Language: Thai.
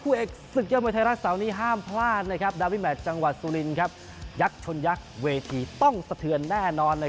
อุ๊ยเสือป้อมีเขาวงในขณะที่ไข่วันเล็กมีแค่งซ้ายนอกกับในใครอยู่ใครไปต้องติดตามครับ